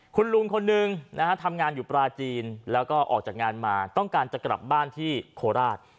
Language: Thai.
คุณลุงคนหนึ่งนะฮะทำงานอยู่ปลาจีนแล้วก็ออกจากงานมาต้องการจะกลับบ้านที่โคราช